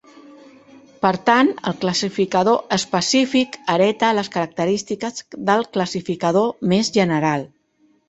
Per tant, el classificador específic hereta les característiques del classificador més general.